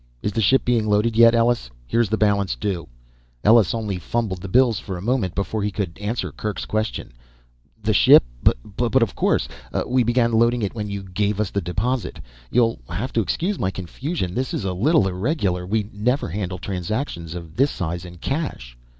"Is the ship being loaded yet, Ellus? Here's the balance due." Ellus only fumbled the bills for a moment before he could answer Kerk's question. "The ship but, of course. We began loading when you gave us the deposit. You'll have to excuse my confusion, this is a little irregular. We never handle transactions of this size in cash."